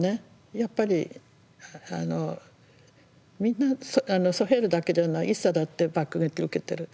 やっぱりみんなソヘイルだけではないイッサだって爆撃を受けてる。